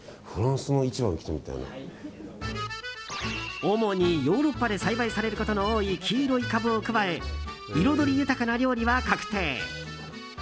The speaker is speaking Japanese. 主にヨーロッパで栽培されることの多い黄色いカブを加え彩り豊かな料理は確定。